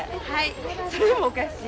はい。